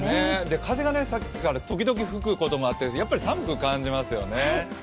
風がさっきから時々吹くこともあってやっぱり寒く感じますよね。